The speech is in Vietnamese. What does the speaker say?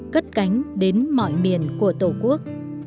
cất cánh đến mọi miền của tổ quốc